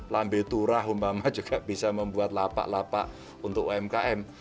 lambe turah umpama juga bisa membuat lapak lapak untuk umkm